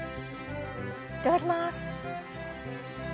いただきます。